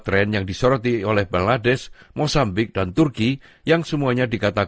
dengan menggunakan kekuatan lemah kita